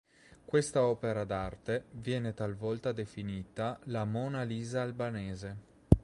Questa opera d'arte viene talvolta definita la Mona Lisa albanese.